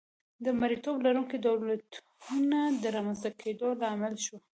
د مریتوب لرونکو دولتونو د رامنځته کېدا لامل شوه.